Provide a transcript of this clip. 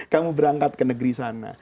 kamu berangkat ke negeri sana